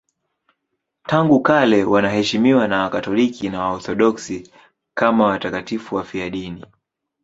Tangu kale wanaheshimiwa na Wakatoliki na Waorthodoksi kama watakatifu wafiadini.